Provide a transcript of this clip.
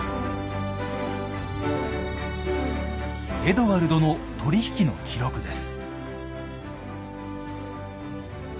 エドワルドの取り引きの記録です。